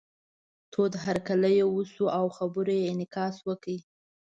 تود هرکلی یې وشو او خبرو یې انعکاس وکړ.